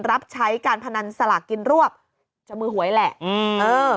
รับใช้การพนันสลากกินรวบจะมือหวยแหละอืมเออ